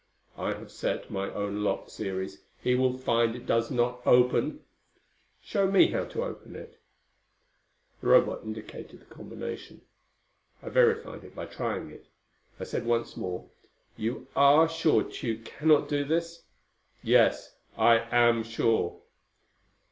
"I have set my own lock series. He will find it does not open." "Show me how to open it." The Robot indicated the combination. I verified it by trying it. I said once more, "You are sure Tugh cannot do this?" "Yes. I am sure."